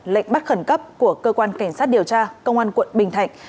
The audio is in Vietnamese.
lệnh bắt khẩn cấp của cơ quan cảnh sát điều tra công an quận bình thạnh